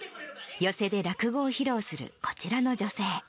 寄席で落語を披露するこちらの女性。